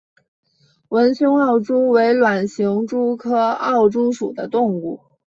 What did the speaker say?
纹胸奥蛛为卵形蛛科奥蛛属的动物。